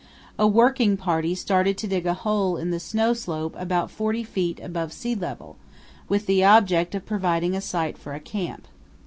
A working party started to dig a hole in the snow slope about forty feet above sea level with the object of providing a site for a camp.